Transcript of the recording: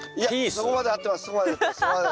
そこまで合ってます。